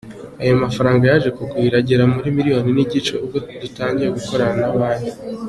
Ayo mafaranga yaje kugwira agera muri miliyoni n’igice, ubwo dutangira gukorana na Banki.